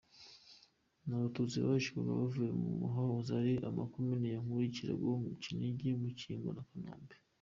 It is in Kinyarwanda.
Ni abatusti bahicirwaga bavuye yahoze ari amakomini ya Nkuli, Karago, Kinigi, Mukingo na Kigombe.